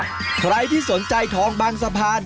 ใครที่สนใจทองบางสะพาน